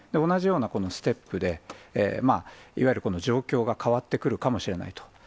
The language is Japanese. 同じようなステップで、いわゆる状況が変わってくるかもしれないと。